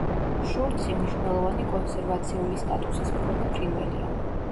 შურთხი მნიშვნელოვანი კონსერვაციული სტატუსის მქონე ფრინველია.